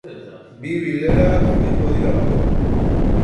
Bi bilera egingo dira gaur.